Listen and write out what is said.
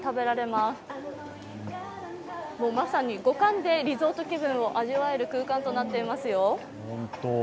まさに五感でリゾート気分を味わえる空間となっていますよ。